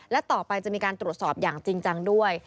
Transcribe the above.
และต่อไปจะมีการตรวจสอบอย่างจริงจังด้วย